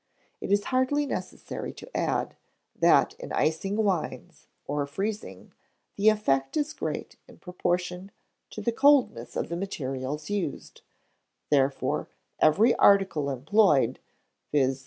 It is hardly necessary to add, that in icing wines, or freezing, the effect is great in proportion to the coldness of the materials used; therefore, every article employed, viz.